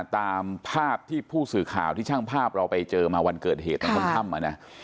ตามภาพที่ผู้สื่อข่าวที่ช่างภาพเราไปเจอมาวันเกิดเหตุตอนค่ำ